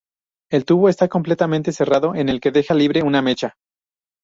El tubo está completamente cerrado en el que deja libre una mecha.